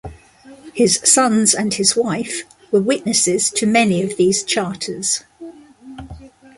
His sons and his wife were witnesses to many of these charters.